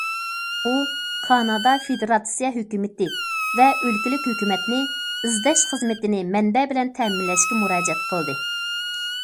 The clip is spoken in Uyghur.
ئۇ كانادا فېدېراتسىيە ھۆكۈمىتى ۋە ئۆلكىلىك ھۆكۈمەتنى ئىزدەش خىزمىتىنى مەنبە بىلەن تەمىنلەشكە مۇراجىئەت قىلدى.